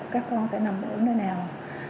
các con sẽ nằm ở nơi nào